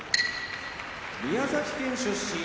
宮崎県出身